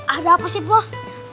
ada apa sih bos